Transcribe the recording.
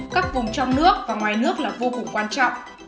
các vùng trong nước và ngoài nước là vô cùng quan trọng